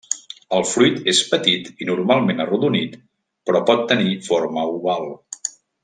El fruit és petit i normalment arrodonit però pot tenir forma oval.